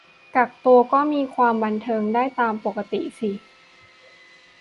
กักตัวก็มีความบันเทิงได้ตามปกติสิ